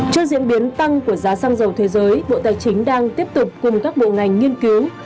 trước diễn biến tăng của giá xăng dầu thế giới bộ tài chính đang tiếp tục cùng các bộ ngành nghiên cứu